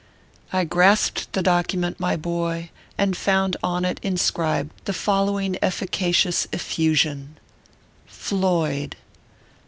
" I grasped the document, my boy, and found on it inscribed the following efficacious effusion : FLOYD.